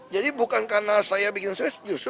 jadi bukan karena saya bikin stres justru saya bikin stres